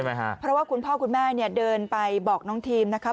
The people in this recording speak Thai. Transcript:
เพราะว่าคุณพ่อคุณแม่เนี่ยเดินไปบอกน้องทีมนะคะ